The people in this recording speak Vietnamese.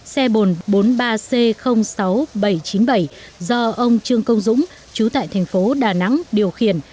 xe bồn bốn mươi ba c sáu nghìn bảy trăm chín mươi bảy do ông trương công dũng chú tại thành phố đà nẵng điều khiển